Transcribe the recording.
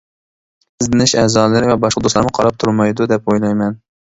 ئىزدىنىش ئەزالىرى ۋە باشقا دوستلارمۇ قاراپ تۇرمايدۇ دەپ ئويلايمەن.